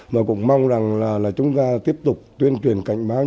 mà cũng mong rằng là chúng ta tiếp tục tuyên truyền cảnh báo